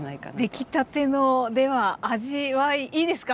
出来たてのでは味わいいいですか？